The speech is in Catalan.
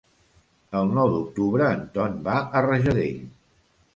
El nou d'octubre en Ton va a Rajadell.